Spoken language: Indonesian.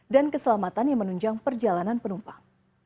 dan keselamatan yang menunjang perjalanan penumpang